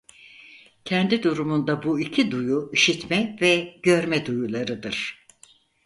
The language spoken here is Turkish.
Kendi durumunda bu iki duyu işitme ve görme duyularıdır.